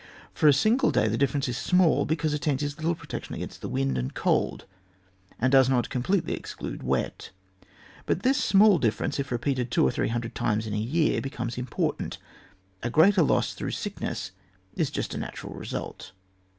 For a single day the difference is small, because a tent is little protection against wind and cold, and does not completely exclude wet \ but this small difference, if repeated two or three hundred times in a year, becomes important. A greater loss through sickness is just a natural result.